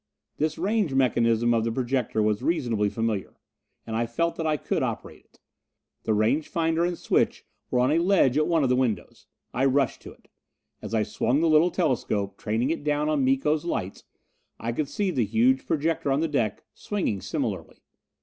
This range mechanism of the projector was reasonably familiar, and I felt that I could operate it. The range finder and switch were on a ledge at one of the windows. I rushed to it. As I swung the little telescope, training it down on Miko's lights, I could see the huge projector on the deck swinging similarly.